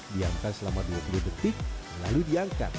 diamkan selama dua puluh detik lalu diangkat